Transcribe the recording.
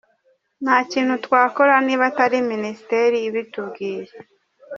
Nta kintu twakora niba atari Minisiteri ibitubwiye.